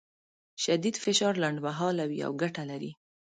شدید فشار لنډمهاله وي او ګټه لري.